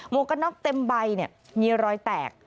มวกนอกเต็มใบมีรอยแตก